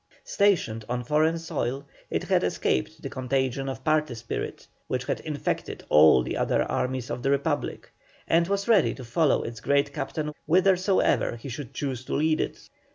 Stationed on foreign soil, it had escaped the contagion of party spirit, which had infected all the other armies of the Republic, and was ready to follow its great captain whithersoever he should choose to lead it.